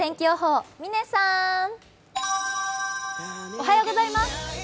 おはようございます。